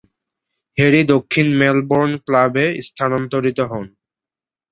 Harry দক্ষিণ Melbourne ক্লাবে স্থানান্তরিত হন।